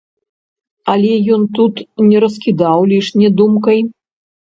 Але ён тут не раскідаў лішне думкай.